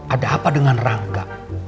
ada apa dengan rangga